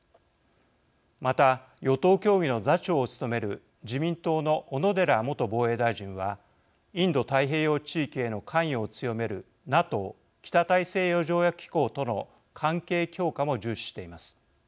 また与党協議の座長を務める自民党の小野寺元防衛大臣はインド太平洋地域への関与を強めるＮＡＴＯ＝北大西洋条約機構との関係強化も重視しています。